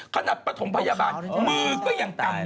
ขนาดประถมพยาบาลมือก็ยังกรรมยันอยู่